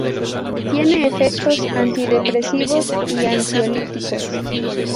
Tiene efectos antidepresivos y ansiolíticos.